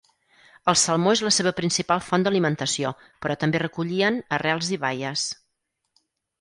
El salmó és la seva principal font d'alimentació, però també recollien arrels i baies.